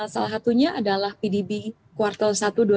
salah satunya adalah pdb kuartal satu dua ribu dua puluh